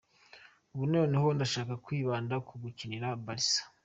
Ubu noneho ndashaka kwibanda ku gukinira Barca.